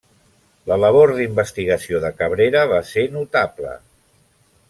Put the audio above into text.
La labor d'investigació de Cabrera va ser notable.